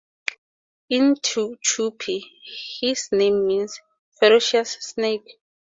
In Tupi, his name means "ferocious snake".